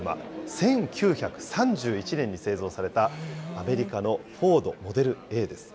１９３１年に製造された、アメリカのフォード・モデルＡです。